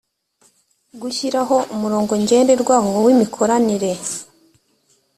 gushyiraho umurongo ngenderwaho w imikoranire